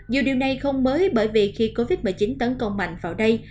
dù điều này không mới bởi vì khi covid một mươi chín tấn công mạnh vào đây